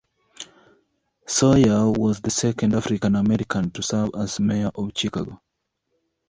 Sawyer was the second African-American to serve as mayor of Chicago.